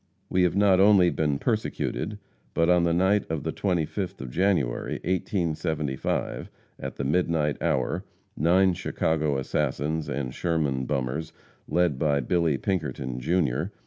We have not only been persecuted, but on the night of the 25th of January, 1875, at the midnight hour, nine Chicago assassins and Sherman bummers, led by Billy Pinkerton, Jr.